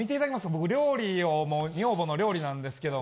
僕料理をもう女房の料理なんですけど。